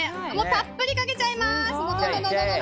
たっぷりかけちゃいます。